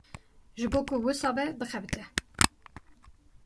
Ji bo ku wisa be bixebite.